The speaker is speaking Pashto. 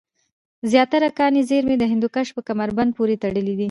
زیاتره کاني زېرمي د هندوکش په کمربند پورې تړلې دی